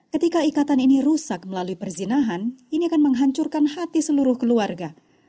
ketika ikatan ini rusak melalui perzinahan ini akan menghancurkan hati seluruh keluarga